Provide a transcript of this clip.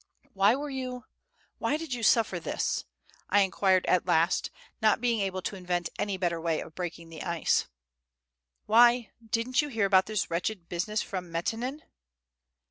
"Why were you ... why did you suffer this?" I inquired at last, not being able to invent any better way of breaking the ice. "Why, didn't you hear about this wretched business from Metenin?"